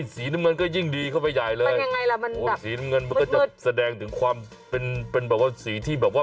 สีน้ำเงินก็ยิ่งดีเข้าไปใหญ่เลยสีน้ำเงินมันก็จะแสดงถึงความเป็นแบบว่าสีที่แบบว่า